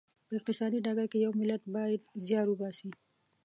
په اقتصادي ډګر کې یو ملت باید زیار وباسي.